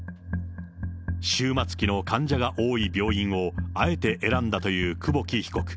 終末期の患者が多い病院を、あえて選んだという久保木被告。